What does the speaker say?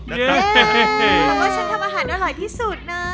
เย้ทำให้ฉันทำอาหารอร่อยที่สุดนะ